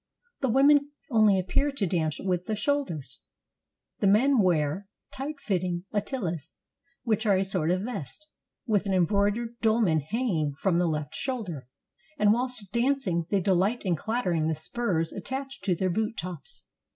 The women only appear to dance with the shoulders. The men wear tight fitting attilas, which are a sort of vest, with an em broidered dolman hanging from the left shoulder, and whilst dancing they delight in clattering the spurs at tached to their boot tops.